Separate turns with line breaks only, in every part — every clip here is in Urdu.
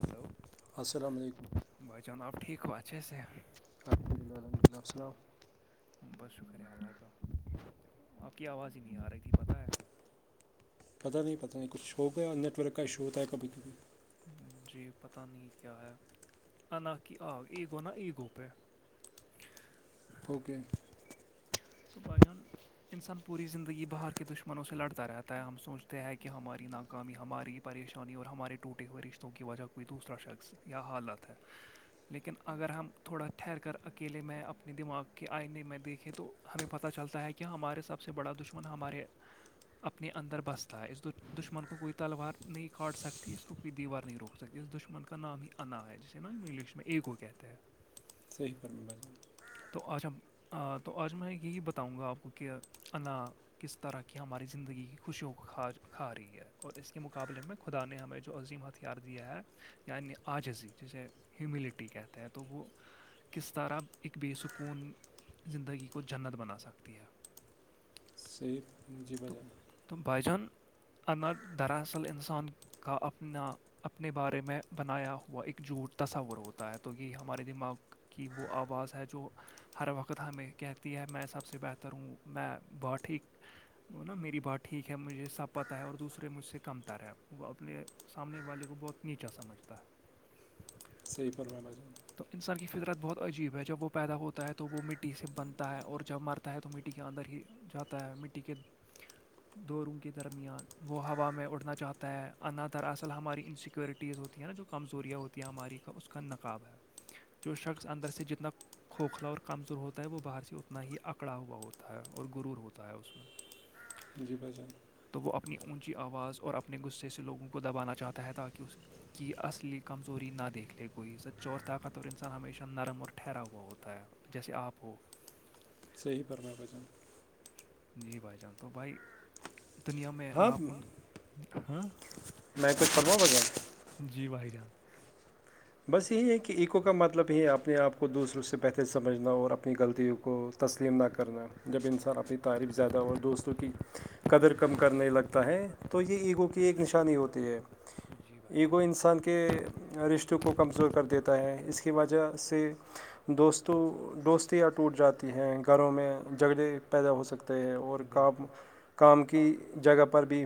ہلو
السلام علیکم
بھائی جناب ٹھیک بات ہےس
الحمد للہم م آپ سناؤ
بس شکر ہے اللہ کا آپ کی آواز ہی نہیں آ رہی تھی پتہ ہے
پتہ نہیں پتاہ نہیں کچھ ہو گیا اور نیٹ ورک کا ایشو ہوتا ہے کبھی کبھی
جی پتا نہیں کیا ہے انا کی آگ ایگونا ایگو پہ
اوکے
تو بجان انسان پوری زندگی باہر کے دشمنوں سے لڑتا رہتا ہے ہم سوچتے ہیں کہ ہماری ناک اکامی ہماری پریشانی اور ہمارے ٹوٹے ہوئے رشتوں کی وجہ کوئی دوسرا شخص یا حالت ہے لیکن اگر ہم تھوڑا ٹھہر کر اکیلے میں اپنے دماغ کے آئے نے میں دیکھے تو ہمیں پتہ چلتا ہے کہ ہمارے سب سے بڑا دشمن ہمارے اپنے اندر بستا ہے اس دشمن کو کوئی تلوار نہیں کاٹ سکتی اس کو کوئی دیوار نہیں روک سکتی اس دشمن کا نام ہی انا ہے جسے نا می لشم ایکو کہتا ہے
صحیح پرم ب
تو آچجا تو آج میں یہی بتاؤں گا آپ کو کہ انا کس طرح کی ہماری زندگی کی خوشیوں کوا کھا رہی ہے اور اس کے مقابلے میں خدا نے ہمیں جو عظیم ہتھیار دیا ہے یعنی آجزی جسے ہیملٹی کہتے ہیں تو وہ کس طرح ایک بے سکون زندگی کو جنت بنا سکتی ہے
صیید جی ب جان
تو بائی جان الہ دراصل انسان کا اپنا اپنے بارے میں بنایا ہوا ایک جھوٹ تصور ہوتا ہے تو یہ ہمارے دماغ کہ وہ آواز ہے جو ہر وقت ہمیں کہتی ہے میں سب سے بہتر ہوں میں بہتٹ ہی وہ نا میری بات ٹھیک ہے مجھے سب پتہ ہے اور دوسرے مجھ سے کمتر ہے وہ اپنے سامنے والے کو بہت نیچا سمجھتا ہے
صحیح پر میں بجوں
تو انسان کی فطرت بہت عجیب ہے جب وہ پیدا ہوتا ہے تو وہ مٹی سے بنتا ہے اور جب مرتا ہے تو مٹی کے اندر ہی جاتا ہے مٹی کے د روں کے درمیان وہ ہوا میں اٹھنا چاہتا ہے انا دراصل ہماری انسیکیورٹی ز ہوتی ہے نا جو کمزوریا ہوتی ہیں ہماری کا اس کا نقاب ہے جو شخص اندر سے جتنا کوکھلا اور کمزور ہوتا ہے وہ باہر سے اتنا ہی اکڑا ہوا ہوتا ہے اور رور ہوتا ہے اس میں
جی بازن
تو وہ اپنی اونچی آواز اور اپنے غصے سے لوگوں کو دبانا چاہتا ہے تاکہ اس کی اصلی کمزوری نہ دیکھ لے کوئی سچوں اور طاقت اور انسان ہمیشہ نرم اور ٹھہرا ہوا ہوتا ہے جیسے آپ ہو
صحیح پرم بچن
جی بھائی جان تو بھائی دنیا میں لاکھوں ہاں جی بھائی جان
بس یہی ہے کہ ایکو کا مطلب ہی ہے اپنے آپ کو دوسروں سے بہتر سمجھنا اور اپنی غلطیوں کو تسلیم نہ کرنا جب انسان اپنی تعریف زیادہ اور دوستوں کی قدر کم کرنے لگتا ہے تو یہ ایگو کی ایک نشانی ہوتی ہے ایگو انسان کے رشتوں کو کمزور کر دیتا ہے اس کی وجہ سے دوستوں دوست یاں ٹوٹ جاتی ہیں گھروں میں جھگڑے پیدا ہو سکتے ہیں اور کام کام کی جگہ پر بھی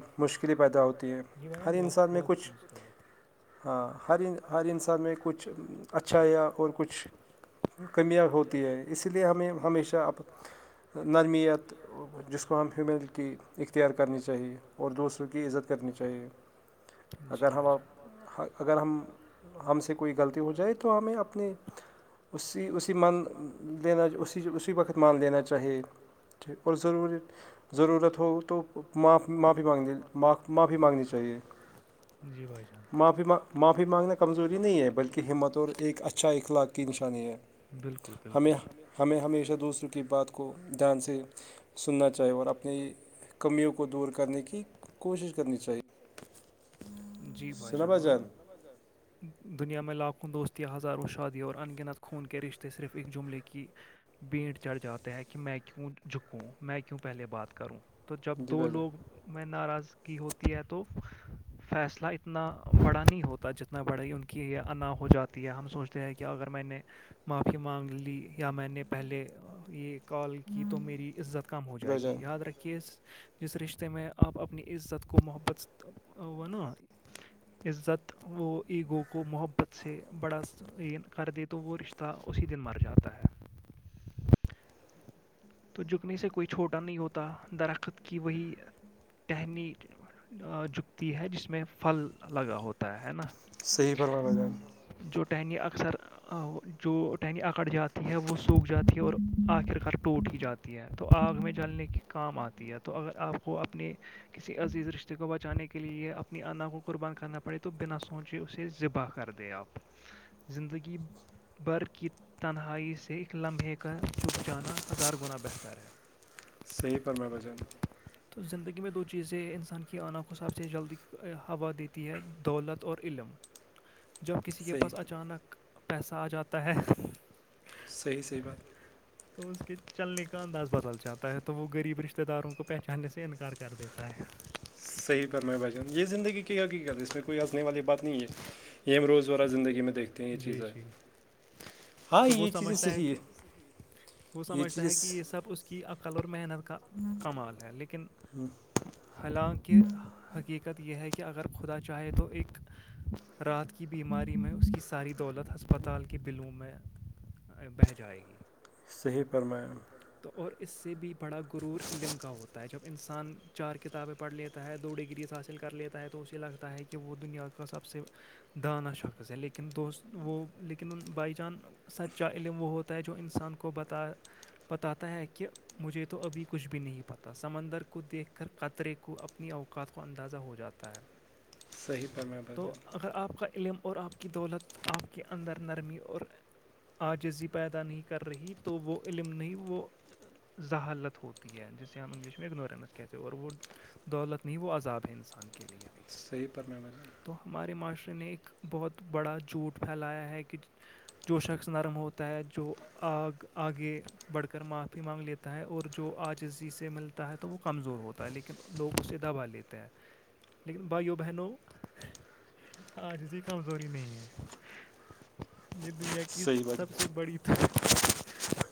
مشکلیں پیدا ہوتی جی بھم بہت بہت مشکل ہوتی ہے [unintelligible]
ہاں ہرین ہرین
ہر انسان میں کچھ اچھا یا اور کچھ [unintelligible]
کمیاں ہوتی ہیں اسی لیے ہمیں ہمیشہ اپپ نرمیت جس کو ہم ہیومینٹی اختیار کرنی چاہیے اور دوسروں کی عزت کرنی چاہیے اگر ہم آ اگر ہم ہم سے کوئی غلطی ہو جائے تو ہمیں اپنے اسی اسی من لین اس اسی وقت مان لین چاہے ٹھیک اور ضروری ضرورت ہو تو معف معافیان معافی مانگنی چاہیے
جی بھائی جانی
کمزوری [unintelligible]
کمزوری نہیں ہے بلکہ ہمت اور ایک اچھا اخلاق کی نشانی ہے بالکل بالکل ہمیں
ہمیں ہمیشہ دوسروں کی بات کو دھیان سے سننا چاہیے اور اپنی کمیوں کو دور کرنے کی کوشش کرنی چاہیے
جی بھائی جانو ہے نا دنیا میں لاکھوں دوستی ہزاروں و شادی اور ان گنت خون کے رشتے صرف ا ایک جملے کی بٹ چڑھ جاتا ہے کہ میں کیوں جھکوں میں کیوں پہلے بات کروں تو جب دو لوگ میں ناراضگی ہوتی ہے تو فیصلہ اتنا بڑا نہیں ہوتا جتنا نہ بڑھ ان کی یہ انا ہو جاتی ہے ہم سوچتے ہیں کہ اگر میں نے معافی مانگ لی یا میں نے پہلے یہ کال کی تو میری عزت کم ہو جائے گی یاد رکھیے جس رشتے میں آپ اپنی عزت کو محبت نا عزت وہ ایگو کو محبت سے بڑاع کر دے تو وہ رشتہ اسی دن مر جاتا ہے [inaudible] [inaudible] تو جھکنے سے کوئی چھوٹا نہیں ہوتا درخت کی وہی ٹہنی جکتی ہے جس میں پھل لگا ہوتا ہے نا جوٹنیی اکثر جو ٹینکی اکڑ جاتی ہے وہ سوکھ جاتی ہے اور آخر کار ٹوٹ ہی جاتی ہے تو آگ میں جلنے کی کام آتی ہے تو اگر آپ کو اپنی کسی عزیز رشتے کو بچانے کے لئے اپنی انا کو قربان کرنا پڑے تو بنا سوچ اسے ذبح کر دے آپ زندگی بر کی تنہائی سے ایک لمحے کا چک جانا ہزار گنا بہتر ہے [inaudible] [inaudible]
صحیح پر میں بجن
[inaudible] [inaudible] تو زندگی میں دو چیزیں انسان کی آنا کوساب سے جلدی ہوا دیتی ہے دولت اور علم جب کسی کے پاس اچانک پیسہ آ جاتا ہے
صحیح صحیح بات
تو اس کے چلنے کا انداز بدل جاتا ہے تو وہ غریب رشتےہ داروں کو پہچاننے سے انکار کر دیتا ہے
صحی پرم بھچان یہ زندگی کیا کی ہے اس میں کوئی ہنسنے والی بات نہیں ہے یہ ہم روزمرہ زندگی میں دیکھتے ہیں یہ چیز ہے
تو وہ سمجھتا ہے کہ وہ سمجھتا ہے کہ یہ سب اس کی عقل اور محنت کا کمال ہے لیکن حالانکہ حقیقت یہ ہے کہ اگر خدا چاہے تو ایک رات کی بیماری میں اس کی ساری دولت ہسپتال کے بلوں میں بہ جائے گی اور اس سے بھی بڑا غرور علم کا ہوتا ہے جب انسان چار کتابیں پڑھ لیتا ہے دو ڈگریز حاصل کر لیتا ہے تو اسے لگتا ہے کہ وہ دنیا کا سب سے دانہ شخص ہے لیکن دوست وہ لیکن بائی چان سچا علم وہ ہوتا ہے جو انسان کو بتا بتاتا ہے کہ مجھے تو ابھی کچھ بھی نہیں پتا سمندر کو دیکھ کر قطرے کو اپنی اوقات کو اندازہ ہو جاتا ہے [inaudible] تو اگر آپ کا علم اور آپ کی دولت آپ کے اندر نرمی اور آجزی پیدا نہیں کر رہی تو وہ علم نہیں وہ ظہالت ہوتی ہے جسے ہم انگلش میں اگنورنس کہتے ہیں اور وہ دولت نہیں وہ عذاب ہے انسان کے لیے
صحیح پرم مھے
تو ہمارے معاشرے نے ایک بہت بڑا جھوٹ پھیلایا ہے کہ جو شخص نرم ہوتا ہے جو آگ آگے بڑھ کر معافی مانگ لیتا ہے اور جو آجزی سے مل ہے تو وہ کمزور ہوتا ہے لیکن لوگ اس سے دبا لیتے ہیں لیکن بائیوں بہنو آج اس کی کمزوری نہیں ہے یہ دنیا کے کہ سب سے بڑی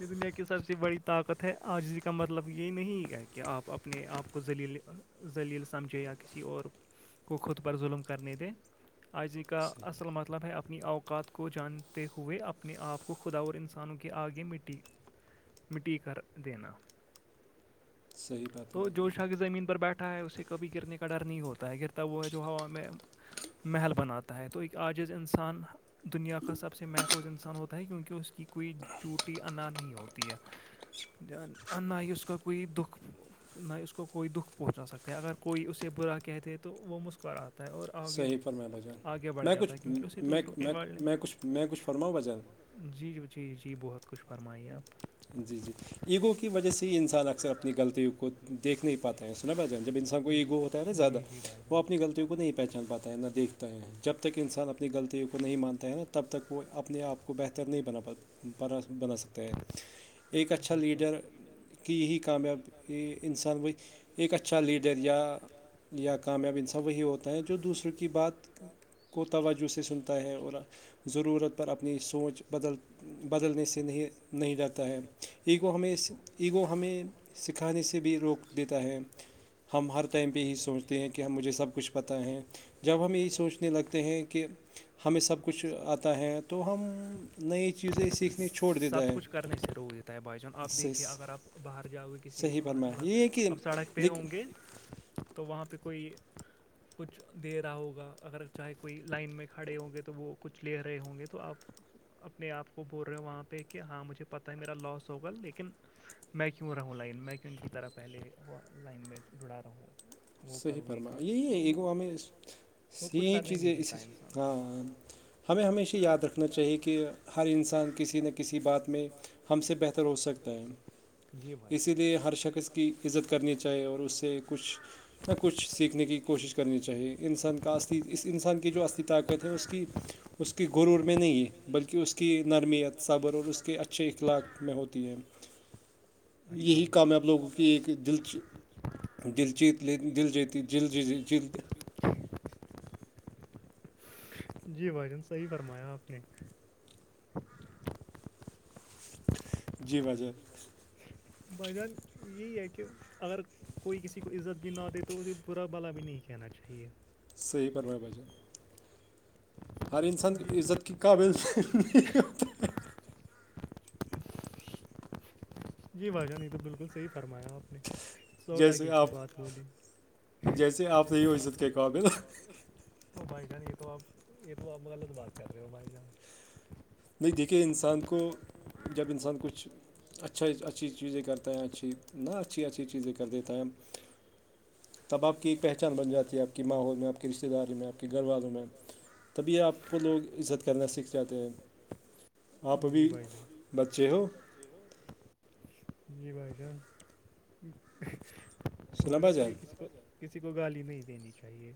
ی د میں کی سب سے بڑی طاقت ہے آج اس کا مطلب یہ نہیں ہے کہ آپ اپنے آپ کو لیل لیل سمجھے یا کسی اور کو خود پر ظلم کرنے دے آاجی کا اصل مطلب ہے اپنی اوقات کو جانتے ہوئے اپنے آپ کو خدا اور انسانوں کے آگے مٹی مٹی کر دینا تو جو شاہ کہ زمین پر بیٹھا ہے اسے کبھی گرنے کا ڈر نہیں ہوتا ہے گرتا ہوا ہے جو ہوا میں محل بناتا ہے تو ایک عجز انسان دنیا کا سب سے محفوظ انسان آسان ہوتا ہے کیونکہ اس کی کوئی جھوٹی انا نہیں ہوتی ہے جان انناائی اس کا کوئی دکھ نہ اس کو کوئی دکھ پہنچا سکتے ہیں اگر کوئی اسے برا کہتے تو وہ مسکراتے اور آگے آگے بڑھ جاتا ہے کیونکہ اسے دوسروں کے باڑ لے
اورماؤ بازر
جی جی جی جی بہت کچھ فرمائیے آپ
جی جی ایگو کی وجہ سے ہی انسان اکثر اپنی غلطیوں کو دیکھنے پتا ہے سنا پہچان جب انسان کو ایگو ہوتا نا زیادہ وہ اپنی غلیوں کو نہیں پہچان پاتا ہے نہ دھ کے ہیں جب تک انسان اپنی غلطیوں کو نہیں مانتا ہے نا تب تک وہ اپنے آپ کو بہتر نہیں بنا بنا سکتا ہیں ایک اچھا لیڈر کہ یہی کامیاب انسان ب ایک اچھا لیڈر یا یا کامیاب انسب وہی ہوتا ہے جو دوسروں کی بات کوتوجہ سے سنتا ہے اور ضرورت پر اپنی سوچ بدل بدلنے سے نہیں نہیں ڈتا ہے ایگو ہمیں ایگو ہمیں سکھانے سے بھی روک دیتا ہے ہم ہر ٹائم پہ یہ سوچتے ہیں کہ ہم مجھے سب کچھ پتہ ہے جب ہم یہی سوچنے لگتے ہیں کہ ہمیں سب کچھ آتا ہے تو ہم نئی چیزیں سیکھنے چھوڑ دیتا ہے
کر سے رودتہ بان آپ دیکھیے اگر آپ باہر جاؤے کسی مطلب اپ سڑک پہ ہوں گے تو وہاں پہ کوئی کچھ دے رہا ہوگا اگر چاہے کوئی لائن میں کھڑے ہوں گے تو وہ کچھ لے رہا ہوں گے تو آپ اپنے آپ کو بول رہے ہو وہاں پہ کہ ہاں مجھے پتہ ہے میرا لاس ہوگا لیکن میں کیوں رہوں لائن میں کیوں ان کی طرح پہلے لائن میں جڑا رہوں
صحیح فرما یہی ہے ایکگو ہمیں چیز ہاں ہاں ہمیں ہمیشہ یاد رکھنا چاہیے کہ ہر انسان کسی نہ کسی بات میں ہم سے بہتر ہو سکتا ہے
جی بھائی جان اسی لیے ہر شخص کی عزت کرنی چاہیے اور اس سے کچھ ہر کچھ سیکھنے کی کوشش کرنی چاہیے ان سر پا کی اس انسان کی جو اس اس کی
اس کی گرور میں نہیں ہے بلکہ اس کی نرمیت صبر اور اس کے اچھے اخلاق میں ہوتی ہے
ہاں
یہی کام آب لوگوں کی ایک دل دلچیت دل جیتی جل جی ج جلد
جی بھاجن صحی فرمایا آپ نے
جی بجے
بجن یہی ہے کہ اگر کوئی کسی کو عزت بھی نہ دے تو اسے برا بھلا بھی نہیں کہنا چاہیے
صحیح پرو بجے ہر انسان کی عزت کے قابل نہیں ہوتا ہے
جی وجہ نہیں تو بالکل صحی فرمایا آپ نے سوٹ کی کی بات بولی جسے آپ ہو سکتے قابل تو بائی جان یہ تو آپ یہ تو آپ غلط بات کر رہے ہو بائی جان
نہیں دیکھے انسان کو جب انسان کچھ اچھھی اچھی چیزیں کرتے ہیں اچھی نا اچھی اچھی چیزیں کر دیتا ہیں تب آپ کی ایک پہچان بن جاتی ہے آپ کے ماحول میں آپ کی رشتتے داری میں آپ کے گھر والوں میں تبھی آپ کو لوگ عزت کرنا سیکھ جاتے ہیں
جی بھائی صاحب ہو جی بھائیشان ہم ہے نا کوئی کسی کو کسی کو گالی نہیں دینی چاہیے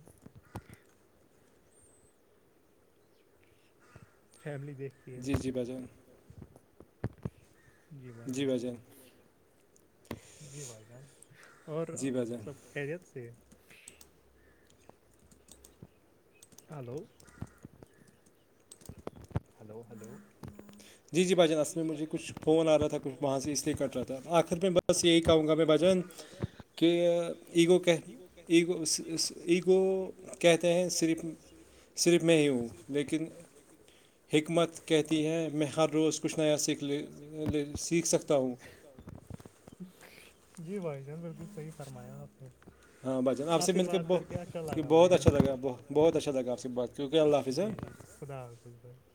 فیملی دیکھ
جی جی بازن
جی بھائی جان جی بھائی جان اور سب خیریت سے ہلو ہلو ہلو جی جی بھ جھ فون آ رہا تھا وہاں سے اس لیے کر رہ تھا بق میں بس یہی کہوں گا میں بازر
ک ایگو کہ ایو ایگو کہتے ہیں صرف صرف میں ہی ہوں لیکن حکمت کہتی ہے میں ہر روز کچھ نیا سیکھ لے لے سیکھ سکتا ہوں
جی بھائی جان بالکل صحیح فرمایا آپ نے آپ سے بات کر کے اچھا لگا بھائی یہاں ب ااگ ب اچھاگ جی جی خدا حافظ بھائی